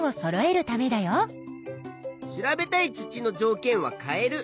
調べたい土のじょうけんは変える。